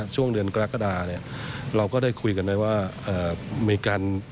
ช่วงเดือนกรกฎาเราก็ได้คุยกันเลยว่า